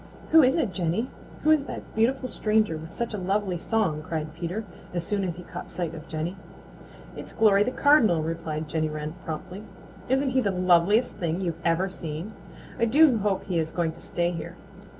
"Who is it, Jenny? Who is that beautiful stranger with such a lovely song?" cried Peter, as soon as he caught sight of Jenny. "It's Glory the Cardinal," replied Jenny Wren promptly. "Isn't he the loveliest thing you've ever seen? I do hope he is going to stay here.